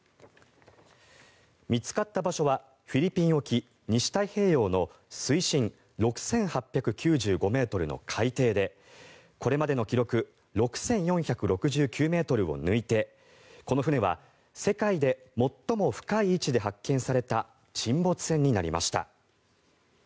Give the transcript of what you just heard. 見つかった場所はフィリピン沖西太平洋の水深６８９５ｍの海底でこれまでの記録６４６９ｍを抜いてこの船は世界で最も深い位置で発見された沈没船になりました。